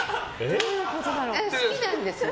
好きなんですよ。